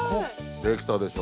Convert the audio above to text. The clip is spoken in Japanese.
できたでしょ。